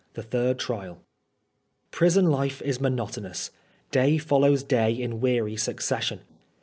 THE THIRD TBIAL. Prison life ie monotonous. Day follows day in weary succession.